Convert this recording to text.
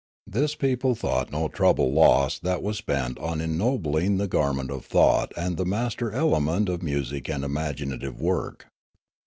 This people thought no trouble lost that was spent on ennobling the garment of thought and the master element of music and imaginative work.